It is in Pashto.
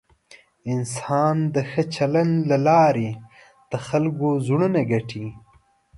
انسان د ښه چلند له لارې د خلکو زړونه ګټي.